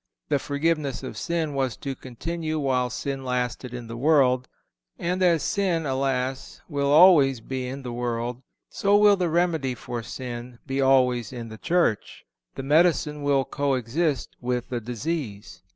The forgiveness of sin was to continue while sin lasted in the world; and as sin, alas! will always be in the world, so will the remedy for sin be always in the Church. The medicine will co exist with the disease.